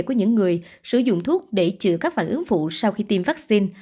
của những người sử dụng thuốc để chữa các phản ứng phụ sau khi tiêm vaccine